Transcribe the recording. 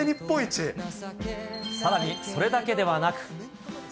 さらに、それだけではなく。